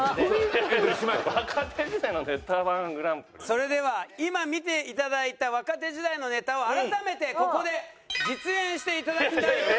それでは今見ていただいた若手時代のネタを改めてここで実演していただきたいと思います。